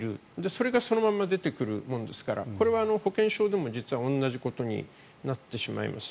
それがそのまま出てくるものですからこれは保険証でも実は同じことになってしまいます。